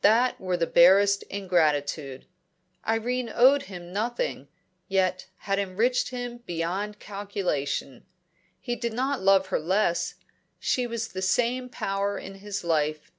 That were the basest ingratitude. Irene owed him nothing, yet had enriched him beyond calculation. He did not love her less; she was the same power in his life.